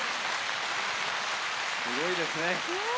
すごいですね。